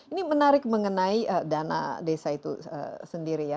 ini menarik mengenai dana desa itu sendiri ya